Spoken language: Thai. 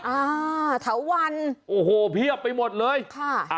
อ่าเถาวันโอ้โหเพียบไปหมดเลยค่ะ